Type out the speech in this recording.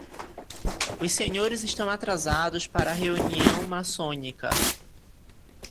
Os senhores estão atrasados para a reunião maçônica